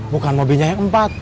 bukan mobilnya yang empat